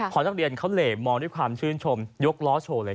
พอนักเรียนเขาเหล่มองด้วยความชื่นชมยกล้อโชว์เลย